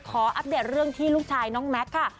อัปเดตเรื่องที่ลูกชายน้องแม็กซ์ค่ะ